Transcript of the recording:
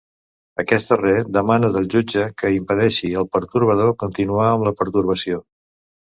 Aquest darrer demana del jutge que impedeixi el pertorbador continuar amb la pertorbació.